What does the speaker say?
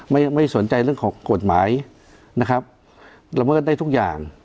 ไม่ไม่สนใจเรื่องของกฎหมายนะครับละเมิดได้ทุกอย่าง